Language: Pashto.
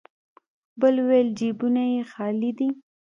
بل وويل: جيبونه يې خالي دی.